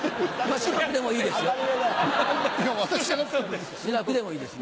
「しらく」でもいいですよ。